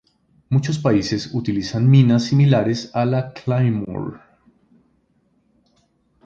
Muchos países utilizan minas similares a la Claymore.